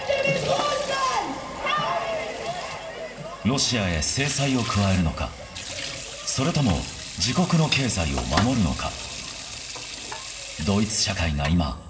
ロシアへ制裁を加えるのかそれとも自国の経済を守るのか。